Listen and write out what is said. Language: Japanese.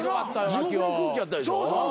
地獄の空気やったでしょ？